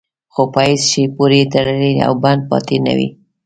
خو په هېڅ شي پورې تړلی او بند پاتې نه وي.